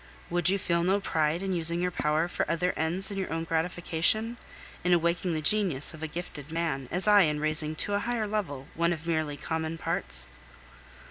Would you feel no pride in using your power for other ends than your own gratification, in awakening the genius of a gifted man, as I in raising to a higher level one of merely common parts?